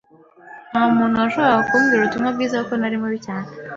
ntamuntu washoboraga kumbwira ubutumwa bwiza kuko nari mubi cyane